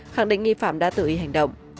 khẳng định nghi phạm đã tự ý hành động